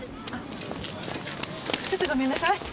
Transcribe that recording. ちょっとごめんなさい。